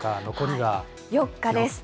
４日です。